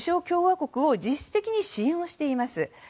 共和国を実質的に支援をしています。